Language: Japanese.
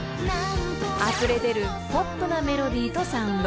［あふれ出るポップなメロディーとサウンド］